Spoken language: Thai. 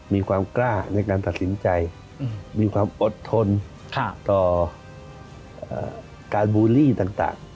มีความกล้าในการตัดสินใจมีความอดทนต่อการบูลลี่ต่าง